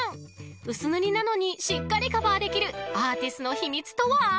［薄塗りなのにしっかりカバーできるアーティスの秘密とは］